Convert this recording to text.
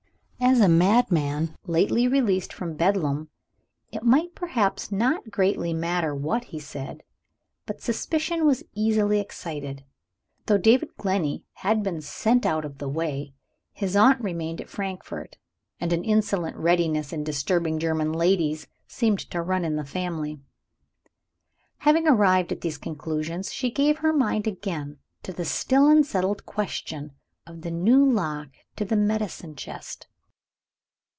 As a madman lately released from Bedlam, it might perhaps not greatly matter what he said. But suspicion was easily excited. Though David Glenney had been sent out of the way, his aunt remained at Frankfort; and an insolent readiness in distrusting German ladies seemed to run in the family. Having arrived at these conclusions, she gave her mind again to the still unsettled question of the new lock to the medicine chest.